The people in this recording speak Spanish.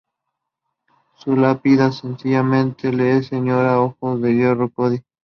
Su lápida sencillamente lee "Señora Ojos de Hierro Cody".